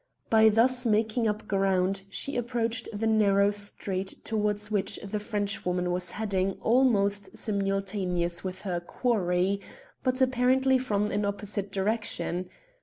By thus making up ground she approached the narrow street towards which the Frenchwoman was heading almost simultaneously with her quarry, but apparently from an opposite direction.